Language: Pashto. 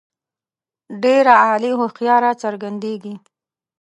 ډېره عالي هوښیاري څرګندیږي.